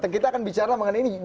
kita akan bicara mengenai ini